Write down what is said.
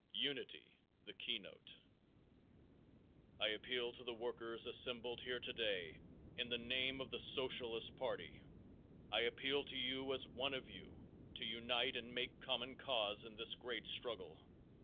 Unity the Keynote. I appeal to the workers assembled here today in the name of the Socialist party. I appeal to you as one of you to unite and make common cause in this great struggle.